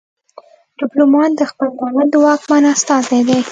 ډیپلومات د خپل دولت د واکمن استازی دی